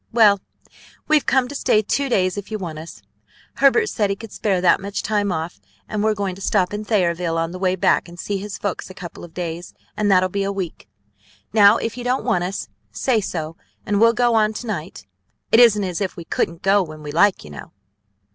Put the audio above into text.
Well, we've come to stay two days if you want us. Herbert said he could spare that much time off, and we're going to stop in Thayerville on the way back and see his folks a couple of days; and that'll be a week. Now, if you don't want us, say so, and we'll go on to night. It isn't as if we couldn't go when we like, you know."